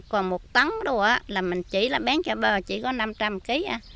còn một tấn đồ là mình chỉ là bán cho bờ chỉ có năm trăm linh kg